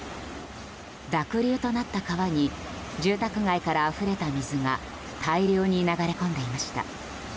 濁流となった川に住宅街からあふれた水が大量に流れ込んでいました。